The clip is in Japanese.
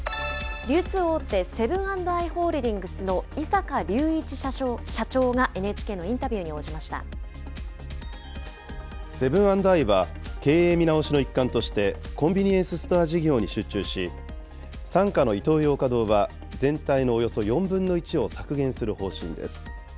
流通大手、セブン＆アイ・ホールディングスの井阪隆一社長がＮＨセブン＆アイは、経営見直しの一環として、コンビニエンスストア事業に集中し、傘下のイトーヨーカ堂は全体のおよそ４分の１を削減する方針です。